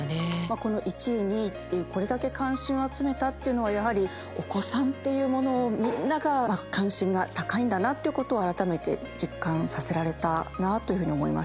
この１位２位ってこれだけ関心を集めたっていうのはやはりお子さんっていうものをみんなが関心が高いんだなっていうことを改めて実感させられたなというふうに思いました。